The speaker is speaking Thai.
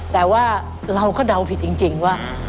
แต่ว่าเราก็เดาผิดจริงว่า